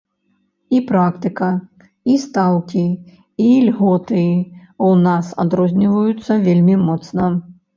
І практыка, і стаўкі, і льготы ў нас адрозніваюцца вельмі моцна.